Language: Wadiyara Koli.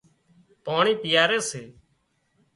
پاڻي پيئاري سي